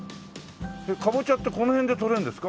かぼちゃってこの辺で取れるんですか？